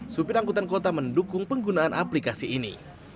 supir angkutan kota mendukung penggunaan aplikasi ini